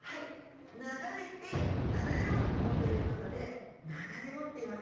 流れて漂う藻ということで流れ藻っていいますよね。